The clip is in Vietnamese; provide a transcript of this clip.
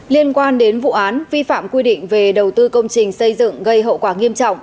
liên quan đến vụ án vi phạm quy định về đầu tư công trình xây dựng gây hậu quả nghiêm trọng